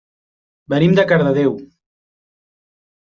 Venim de Cardedeu.